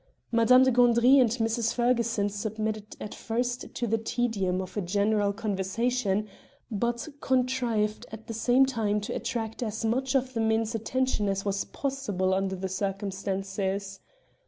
Madame de Gandry and Mrs. Ferguson submitted at first to the tedium of a general conversation, but contrived at the same time to attract as much of the men's attention as was possible under the circumstances.